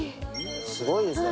すごいですね